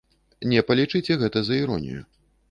Не палічыце гэта за іронію.